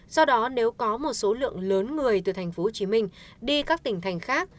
do đó nếu có một số lượng lớn người từ tp hcm đi các tỉnh thành khác